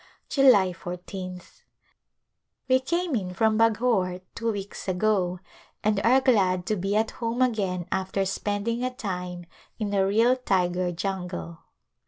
July 14th, We came in from Baghor two weeks ago and are glad to be at home again after spending a time in a real tiger jungle.